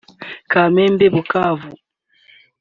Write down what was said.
Kamembe-Bukavu